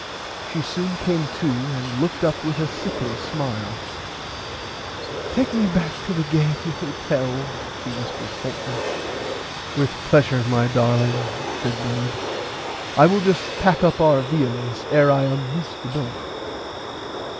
She soon came to and looked up with a sickly smile Take me back to the Gaierty hotel she whispered faintly. With plesure my darling said Bernard I will just pack up our viands ere I unloose the boat.